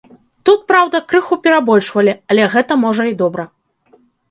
Тут, праўда, крыху перабольшвалі, але гэта можа і добра.